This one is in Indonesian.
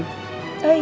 sampai jumpa lagi